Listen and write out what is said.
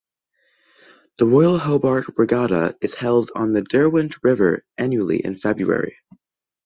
The Royal Hobart Regatta is held on the Derwent River annually in February.